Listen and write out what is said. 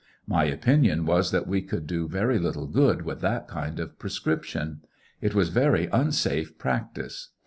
My opinion was that we could do very little good with that kind of prescription. It was very unsafe practice.